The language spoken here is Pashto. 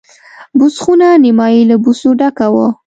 بوس خونه نیمایي له بوسو ډکه وه.